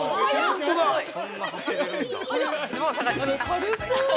◆軽そう。